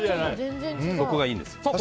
そこがいいんです。